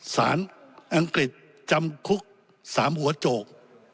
สารอังกฤษจำคุก๓หัวโจก